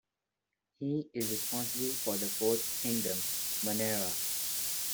He is responsible for the fourth kingdom, Monera.